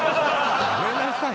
やめなさい